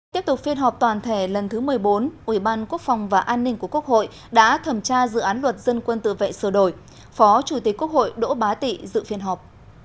tiếp tục phiên họp toàn thể lần thứ một mươi bốn ủy ban quốc phòng và an ninh của quốc hội đã thẩm tra dự án luật dân quân tự vệ sửa đổi phó chủ tịch quốc hội đỗ bá tị dự phiên họp